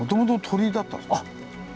あっ。